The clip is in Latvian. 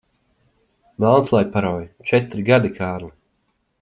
Velns lai parauj! Četri gadi, Kārli.